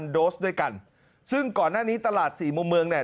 โดสด้วยกันซึ่งก่อนหน้านี้ตลาดสี่มุมเมืองเนี่ย